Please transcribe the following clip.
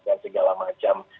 dan segala macam